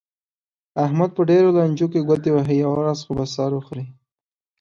احمد په ډېرو لانجو کې ګوتې وهي، یوه ورځ خو به سر وخوري.